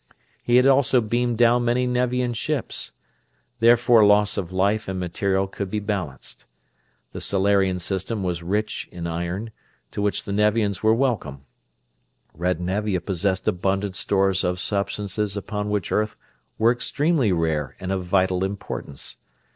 He had also beamed down many Nevian ships. Therefore loss of life and material could be balanced. The Solarian system was rich in iron, to which the Nevians were welcome; red Nevia possessed abundant stores of substances which upon earth were extremely rare and of vital importance.